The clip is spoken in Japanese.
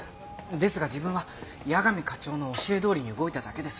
ですが自分は矢上課長の教えどおりに動いただけです。